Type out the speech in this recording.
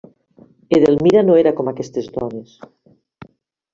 Edelmira no era com aquestes dones.